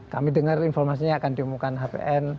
kami dengar informasinya akan diumumkan hpn